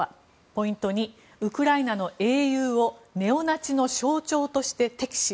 ポイント２ウクライナの英雄をネオナチの象徴として敵視。